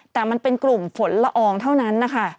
แต่มันเป็นกลุ่มฝนละอองเท่านั้นนะคะ